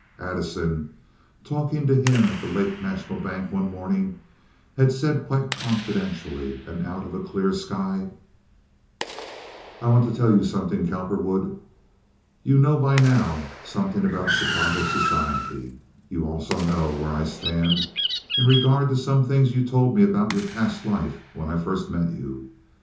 Addison, talking to him at the Lake National Bank one morning, had said quite confidentially, and out of a clear sky: "I want to tell you something, Cowperwood. You know by now something about Chicago society. You also know where I stand in regard to some things you told me about your past when I first met you.